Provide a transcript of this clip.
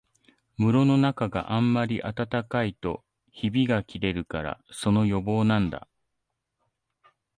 室のなかがあんまり暖かいとひびがきれるから、その予防なんだ